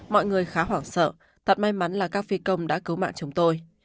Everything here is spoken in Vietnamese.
mọi người khá hoảng sợ tập may mắn là các phi công đã cứu mạng chúng tôi